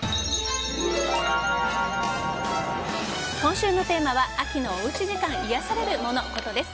今週のテーマは秋のおうち時間いやされるモノ・コトです。